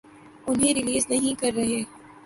انہیں ریلیز نہیں کر رہے۔